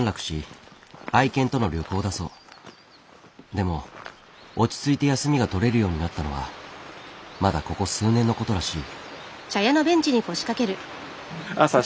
でも落ち着いて休みが取れるようになったのはまだここ数年のことらしい。